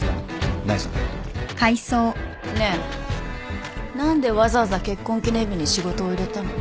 ねえ何でわざわざ結婚記念日に仕事を入れたの？